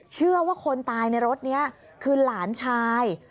เชื่อว่าคนตายในรถนี้คือหลานชาย